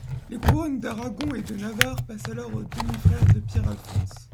Les couronnes d'Aragon et de Navarre passent alors au demi-frère de Pierre, Alphonse.